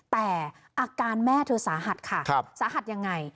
แต่อาการแม่เธอสาหัสค่ะสาหัสยังไง